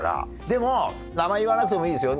でも名前言わなくてもいいですよ。